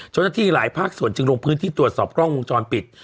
เจ้าหน้าที่หลายภาคส่วนจึงลงพื้นที่ตรวจสอบกล้องวงจรปิด